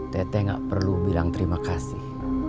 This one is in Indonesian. tete gak perlu bilang terima kasih